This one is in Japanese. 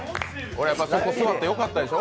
そこ座ってよかったでしょ？